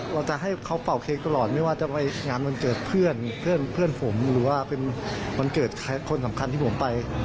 เราจะให้เขาเป่าเค้กตลอดไม่ว่าจะไปงานวันเกิดเพื่อนเพื่อนผมหรือว่าเป็นวันเกิดคนสำคัญที่ผมไป